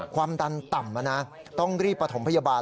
ความดันต่ำต้องรีบประถมพยาบาล